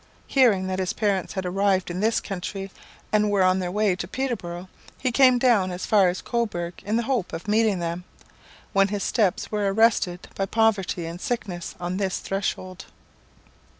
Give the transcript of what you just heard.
Hearing that his parents had arrived in this country, and were on their way to Peterboro', he came down as far as Cobourg in the hope of meeting them, when his steps were arrested by poverty and sickness on this threshold.